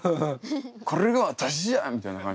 「これが私じゃ！」みたいな感じ。